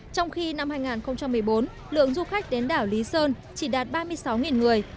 trong khi năm hai nghìn một mươi bốn lượng du khách đến đảo lý sơn chỉ đạt ba mươi sáu người